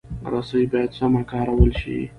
رسۍ باید سمه کارول شي.